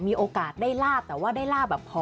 มีโอกาสได้ลาบแต่ว่าได้ลาบแบบพอ